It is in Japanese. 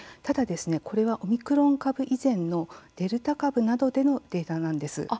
ただ、これはオミクロン株以前のデルタ株などでのデータなんです。